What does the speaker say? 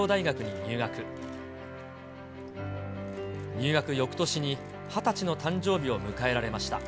入学よくとしに２０歳の誕生日を迎えられました。